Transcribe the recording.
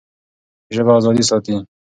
ژبه ازادي ساتي.